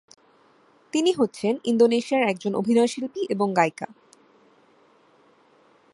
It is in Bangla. তিনি হচ্ছেন ইন্দোনেশিয়ার একজন অভিনয়শিল্পী এবং গায়িকা।